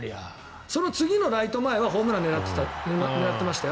その次のライト前はホームランを狙ってましたよ。